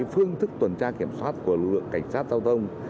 phương thức tuần tra kiểm soát của lực lượng cảnh sát giao thông